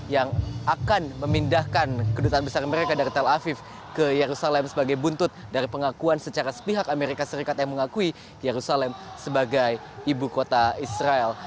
yang akan memindahkan kedutaan besar mereka dari tel aviv ke yerusalem sebagai buntut dari pengakuan secara sepihak amerika serikat yang mengakui yerusalem sebagai ibu kota israel